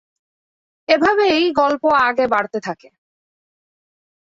এভাবেই গল্প আগে বাড়তে থাকে।